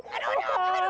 aduh apa ini